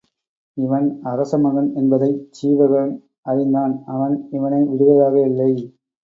இவன் அரசமகன் என்பதைச் சீவகன் அறிந்தான் அவன் இவனை விடுவதாக இல்லை.